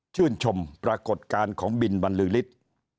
ชื่นชมปรากฏการณ์ของบินบรรลือฤทธิ์